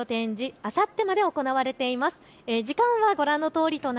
こちらの展示、あさってまで行われています。